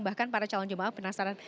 bahkan para calon jemaah penasaran